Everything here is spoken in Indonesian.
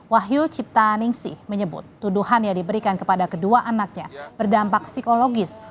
wahyu cipta ningsi menyebut tuduhan yang diberikan kepada kedua anaknya berdampak psikologis